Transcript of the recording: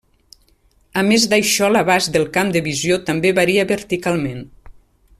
A més d'això l'abast del camp de visió també varia verticalment.